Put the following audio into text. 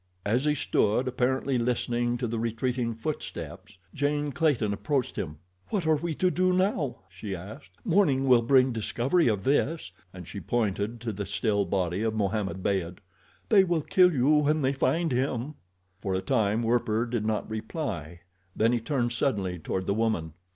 As he stood apparently listening to the retreating footsteps—Jane Clayton approached him. "What are we to do now?" she asked. "Morning will bring discovery of this," and she pointed to the still body of Mohammed Beyd. "They will kill you when they find him." For a time Werper did not reply, then he turned suddenly toward the woman.